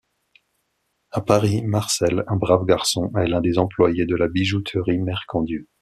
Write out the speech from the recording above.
À Paris, Marcel, un brave garçon, est l'un des employés de la bijouterie Mercandieu.